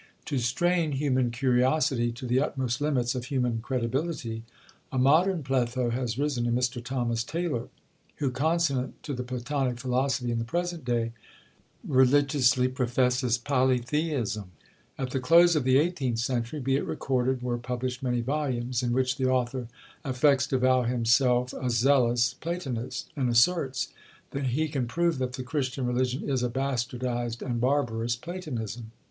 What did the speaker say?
To strain human curiosity to the utmost limits of human credibility, a modern Pletho has risen in Mr. Thomas Taylor, who, consonant to the platonic philosophy in the present day, religiously professes polytheism! At the close of the eighteenth century, be it recorded, were published many volumes, in which the author affects to avow himself a zealous Platonist, and asserts that he can prove that the Christian religion is "a bastardized and barbarous Platonism."